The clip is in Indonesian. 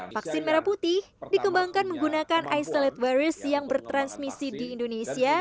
vaksin merah putih dikembangkan menggunakan isolate virus yang bertransmisi di indonesia